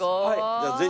じゃあぜひ一つ。